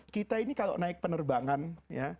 kita ini kalau naik penerbangan ya